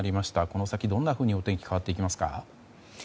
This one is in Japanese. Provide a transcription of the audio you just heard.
この先、どんなふうにお天気変わっていきますか？